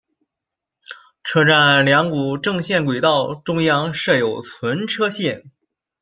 车站两股正线轨道中央设有存车线。